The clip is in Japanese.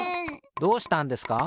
どうしたんですか？